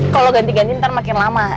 kalau ganti ganti ntar makin lama